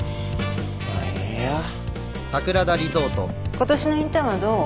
ことしのインターンはどう？